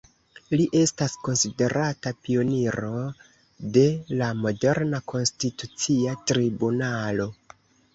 Li estas konsiderata pioniro de la moderna Konstitucia tribunalo.